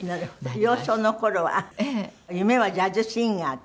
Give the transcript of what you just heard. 幼少の頃は夢はジャズシンガーで？